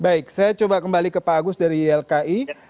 baik saya coba kembali ke pak agus dari ylki